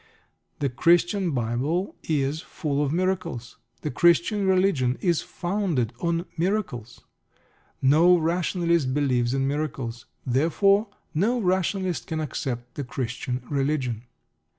The Christian Bible is full of miracles. The Christian Religion is founded on miracles. No rationalist believes in miracles. Therefore no rationalist can accept the Christian Religion.